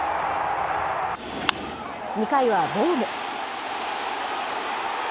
２回はボーム。